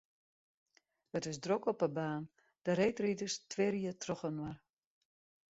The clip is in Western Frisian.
It is drok op 'e baan, de reedriders twirje trochinoar.